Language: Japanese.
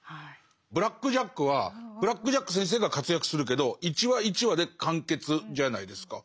「ブラック・ジャック」はブラック・ジャック先生が活躍するけど一話一話で完結じゃないですか。